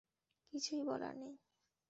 কিছুই বলার নেই।